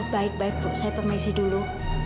baik baik bu saya permisi dulu